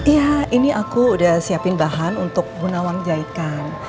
ya ini aku udah siapin bahan untuk bunawang jahitkan